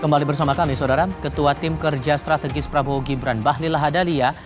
kembali bersama kami saudara ketua tim kerja strategis prabowo gibran bahlil lahadalia